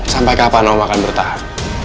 sampai kapan kamu akan bertahan